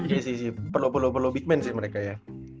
iya sih iya sih perlu perlu perlu big man sih mereka ya